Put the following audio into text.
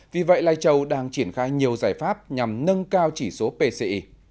vì vậy lai châu đang triển khai nhiều giải pháp nhằm nâng cao chỉ số pci